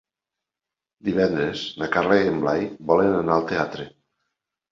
Divendres na Carla i en Blai volen anar al teatre.